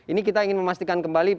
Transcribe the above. ini kita ingin memastikan kembali